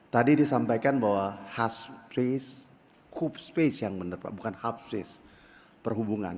tadi disampaikan bahwa hub space yang menerpa bukan hub space perhubungan